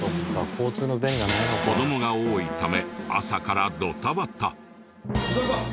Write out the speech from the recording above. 子どもが多いため朝からドタバタ。